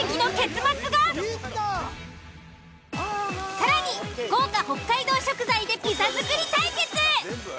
更に豪華北海道食材でピザ作り対決！